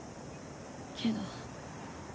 けど。